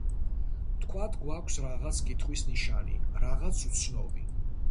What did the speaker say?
ვთქვათ, გვაქვს რაღაცა კითხვის ნიშანი, რაღაც უცნობი.